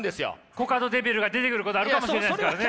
コカドデビルが出てくることあるかもしれないですからね！